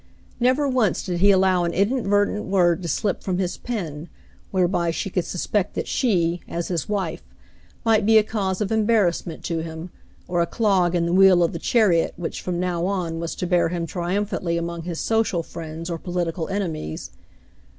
Never once did he allow an inadvertent word to slip from his pen, whereby she could suspect that she, as his wife, might be a cause of embarrassment to him, or a clog in the wheel of the chariot which from now on was to bear him triumphantly among his social friends or political enemies.